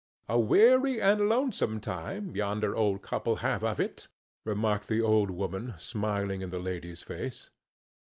"A weary and lonesome time yonder old couple have of it," remarked the old woman, smiling in the lady's face.